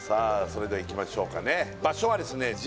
それではいきましょうかね場所はですね